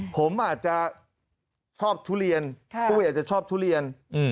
ผมอาจจะชอบทุเรียนปุ้ยอาจจะชอบทุเรียน